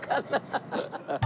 ハハハハ！